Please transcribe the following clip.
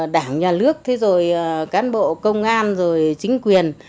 đảng nhà lước cán bộ công an chính quyền